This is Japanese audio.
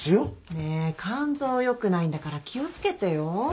ねえ肝臓良くないんだから気を付けてよ。